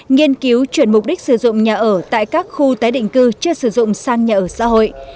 nghiên cứu chuyển mục đích sử dụng nhà ở tại các khu tái định cư chưa sử dụng sang nhà ở xã hội